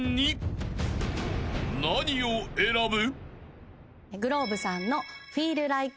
［何を選ぶ？］